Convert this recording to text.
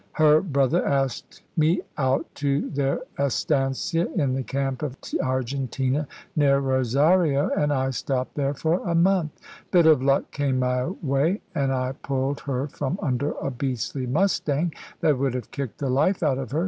Her brother asked me out to their estancia in the camp of Argentina, near Rosario, and I stopped there for a month. Bit of luck came my way, an' I pulled her from under a beastly mustang, that would have kicked the life out of her.